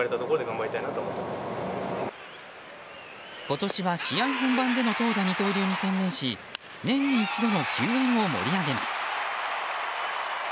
今年は試合本番での投打二刀流に専念し年に一度の球宴を盛り上げます。